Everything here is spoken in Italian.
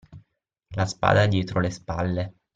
La spada dietro le spalle